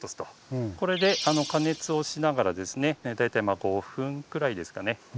これで加熱をしながらですね大体５分くらいですかね。